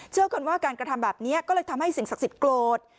กันว่าการกระทำแบบนี้ก็เลยทำให้สิ่งศักดิ์สิทธิ์โกรธ